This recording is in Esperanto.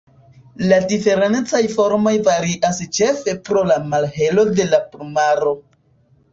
La diferencaj formoj varias ĉefe pro la malhelo de la plumaro.